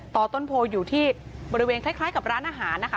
ต้นโพอยู่ที่บริเวณคล้ายกับร้านอาหารนะคะ